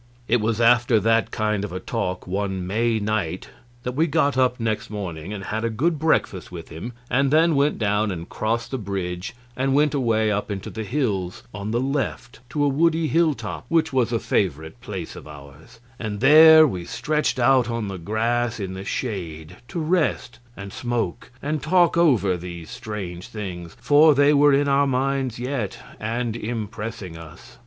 It was after that kind of a talk one May night that we got up next morning and had a good breakfast with him and then went down and crossed the bridge and went away up into the hills on the left to a woody hill top which was a favorite place of ours, and there we stretched out on the grass in the shade to rest and smoke and talk over these strange things, for they were in our minds yet, and impressing us.